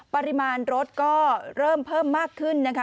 ปริมาณรถก็เริ่มเพิ่มมากขึ้นนะคะ